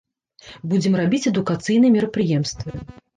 Будзем рабіць адукацыйныя мерапрыемствы.